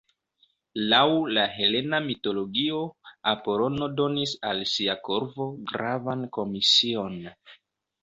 Laŭ la helena mitologio, Apolono donis al sia korvo gravan komision.